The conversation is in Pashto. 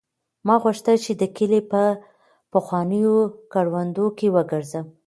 ما غوښتل چې د کلي په پخوانیو کروندو کې وګرځم.